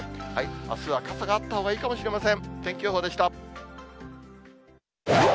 あすは傘があったほうがいいかもしれません。